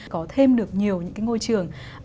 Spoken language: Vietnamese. có thêm được nhiều những cái môi trường